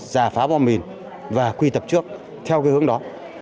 giả phá bọn mình và quy tập trước theo cái hướng đó